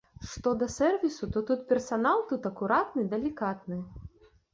Што да сэрвісу, то тут персанал тут акуратны, далікатны.